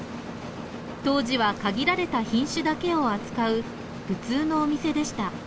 当時は限られた品種だけを扱う普通のお店でした。